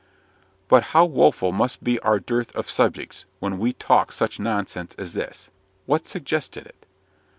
"But how woeful must be our dearth of subjects, when we talk such nonsense as this! What suggested it?"